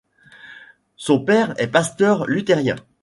Son père est pasteur luthérien.